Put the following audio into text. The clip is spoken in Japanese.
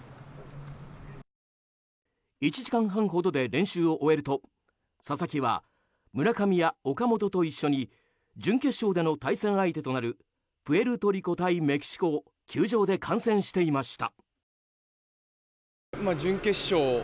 １時間半ほどで練習を終えると佐々木は村上や岡本と一緒に準決勝での対戦相手となるプエルトリコ対メキシコを球場で観戦していました。